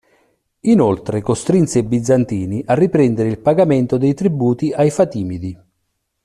Inoltre costrinse i bizantini a riprendere il pagamento dei tributi ai Fatimidi.